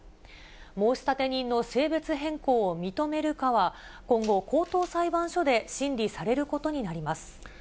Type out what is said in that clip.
申立人の性別変更を認めるかは、今後、高等裁判所で審理されることになります。